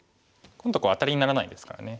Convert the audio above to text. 今度アタリにならないですからね。